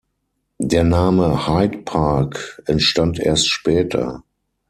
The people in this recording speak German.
Der Name Hyde Park entstand erst später.